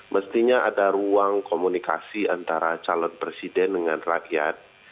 mestinya ada ruang komunikasi antara calon presiden dengan rakyat